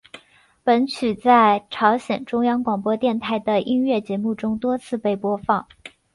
本曲在朝鲜中央广播电台的音乐节目中多次被播放。